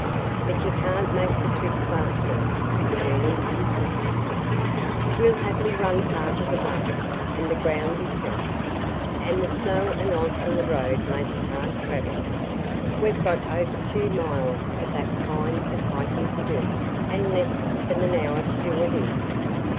"But you can't make the trip fast enough," Ernie insisted. "We'll have to run part of the way, and the ground is rough, and the snow and ice on the road make it hard traveling. We've got over two miles of that kind of hiking to do, and less than an hour to do it in."